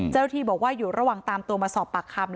เจ้าที่บอกว่าอยู่ระหว่างตามตัวมาสอบปากคำ